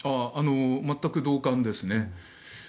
全く同感ですね。